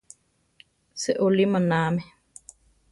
Seolí manáame.